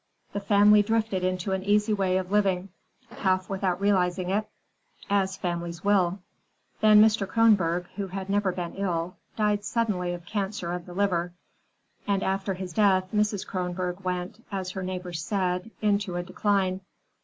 The family drifted into an easier way of living, half without realizing it, as families will. Then Mr. Kronborg, who had never been ill, died suddenly of cancer of the liver, and after his death Mrs. Kronborg went, as her neighbors said, into a decline.